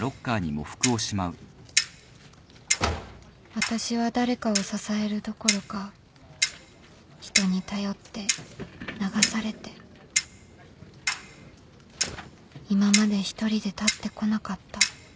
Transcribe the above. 私は誰かを支えるどころか人に頼って流されて今まで一人で立ってこなかった